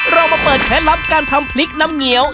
เรามาเปิดเคล็ดลับการทำพริกน้ำเงี้ยว